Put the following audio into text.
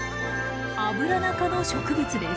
アブラナ科の植物です。